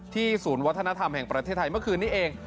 ศูนย์วัฒนธรรมแห่งประเทศไทยเมื่อคืนนี้เอง